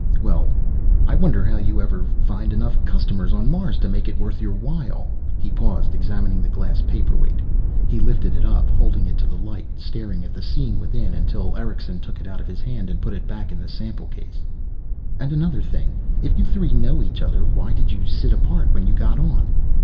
"Well, I wonder how you'd ever find enough customers on Mars to make it worth your while." He paused, examining the glass paperweight. He lifted it up, holding it to the light, staring at the scene within until Erickson took it out of his hand and put it back in the sample case. "And another thing. If you three know each other, why did you sit apart when you got on?"